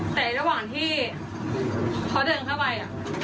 แต่ระหว่างที่เขาเดินเข้าไป